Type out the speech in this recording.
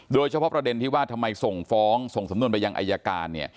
โดยเฉพาะประเด็นที่ว่าทำไมส่งฟ้องส่งสำนวนไปยังอายการ